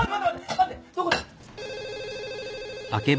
待てどこだ。